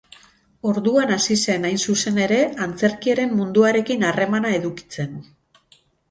Orduan hasi zen, hain zuzen ere, antzerkiaren munduarekin harremana edukitzen.